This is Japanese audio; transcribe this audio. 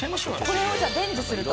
これをじゃあ伝授すると？